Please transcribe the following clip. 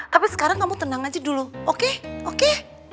tapi sekarang kamu tenang aja dulu oke oke